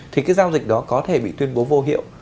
thì cái giao dịch đó có thể bị tuyên bố vô hiệu